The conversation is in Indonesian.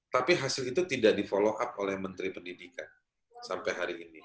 tapi hasil itu tidak di follow up oleh menteri pendidikan sampai hari ini